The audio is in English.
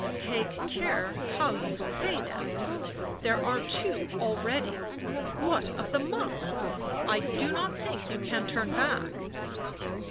" Take care how you say that. There are two already — what of the monk? I do not think you can turn back."